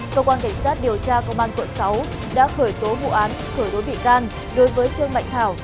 cơ quan cảnh sát điều tra công an quận sáu đã khởi tố vụ án khởi tố bị can đối với trương mạnh thảo